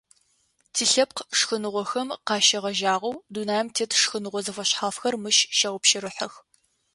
Тилъэпкъ шхыныгъохэм къащегъэжьагъэу, дунаим тет шхыныгъо зэфэшъхьафхэр мыщ щаупщэрыхьэх.